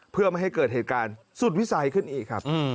เพื่อไม่ให้เกิดเหตุการณ์สุดวิสัยขึ้นอีกครับ